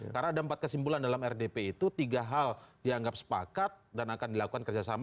karena ada empat kesimpulan dalam rdp itu tiga hal dianggap sepakat dan akan dilakukan kerjasama